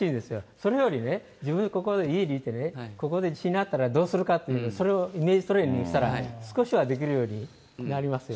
それよりね、自分がここで、家にいてね、ここで地震になったらどうするかって、それをイメージトレーニングしたら、少しはできるようになりますよね。